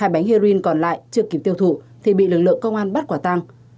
hai bánh heroin còn lại chưa kịp tiêu thụ thì bị lực lượng công an bắt quả tăng